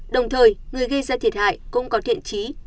đồng thời người gây ra thiệt hại cũng có thiện trí